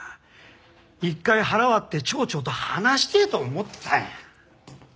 一回腹割って町長と話してえと思ったんや。